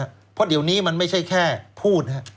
เพราะเดี๋ยวนี้มันไม่ใช่แค่พูดนะครับ